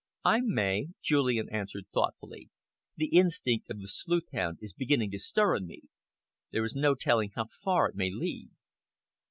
"I may," Julian answered thoughtfully. "The instinct of the sleuthhound is beginning to stir in me. There is no telling how far it may lead."